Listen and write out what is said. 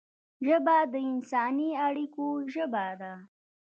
ژبه د انساني اړیکو ژبه ده